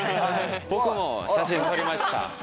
僕も写真撮りました。